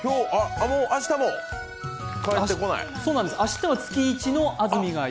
明日も帰ってこない？